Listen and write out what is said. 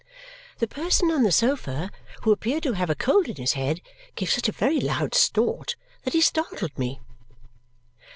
The person on the sofa, who appeared to have a cold in his head, gave such a very loud snort that he startled me.